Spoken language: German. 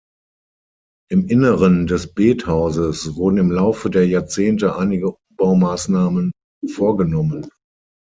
Im Inneren des Bethauses wurden im Laufe der Jahrzehnte einige Umbaumaßnahmen vorgenommen.